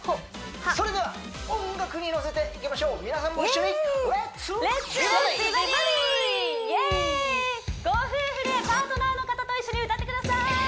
それでは音楽に乗せていきましょう皆さんも一緒にご夫婦でパートナーの方と一緒に歌ってください